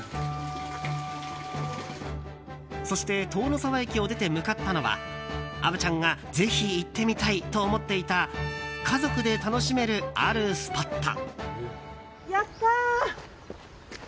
そして塔ノ沢駅を出て向かったのは虻ちゃんがぜひ行ってみたいと思っていた家族で楽しめる、あるスポット。